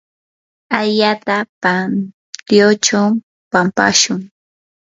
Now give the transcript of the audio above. ayata pantyunchaw pampashun.